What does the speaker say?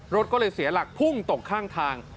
รถก็เลยเสียหลักพุ่งตกข้างทาง